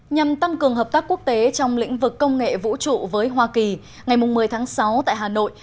nhằm tăng cường hợp tác quốc tế trong lĩnh vực công nghệ vũ trụ với hoa kỳ ngày một mươi tháng sáu tại hà nội